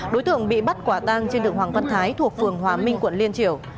đối tượng bị bắt quả tang trên đường hoàng văn thái thuộc phường hòa minh quận liên triều